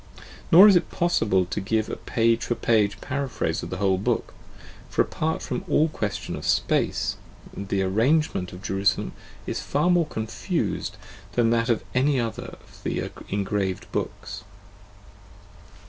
Nor is it possible to give a page for page paraphrase of the whole book: for, apart from all question of space, the arrangement of "Jerusalem " is far more confused than that of any other of the engraved books.